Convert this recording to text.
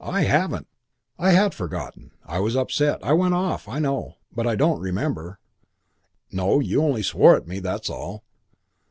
I haven't." "I had forgotten. I was upset. I went off, I know; but I don't remember " "No, you only swore at me; that's all."